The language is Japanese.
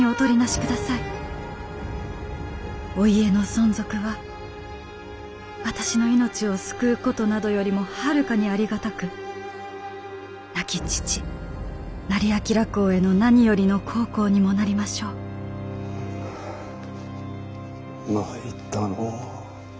お家の存続は私の命を救うことなどよりもはるかにありがたく亡き父斉彬公への何よりの孝行にもなりましょう」。ははぁ参ったのう。